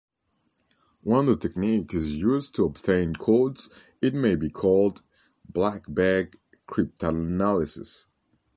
When the technique is used to obtain codes it may be called Black-bag cryptanalysis.